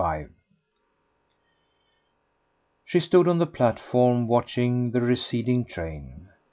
XLV She stood on the platform watching the receding train.